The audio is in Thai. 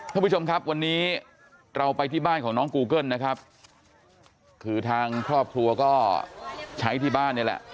ท่านผู้ชมครับวันนี้เราไปที่บ้านของน้องกูเกิ้ลนะครับคือทางครอบครัวก็ใช้ที่บ้านนี่แหละ